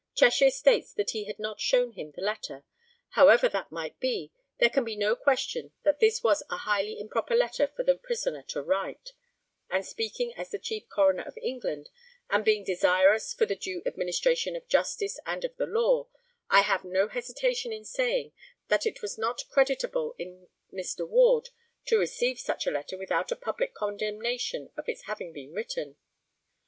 Cheshire states that he had not shown him the letter. However that might be, there can be no question that this was a highly improper letter for the prisoner to write; and speaking as the chief coroner of England, and being desirous for the due administration of justice and of the law, I have no hesitation in saying that it was not creditable in Mr. Ward to receive such a letter without a public condemnation of its having been written.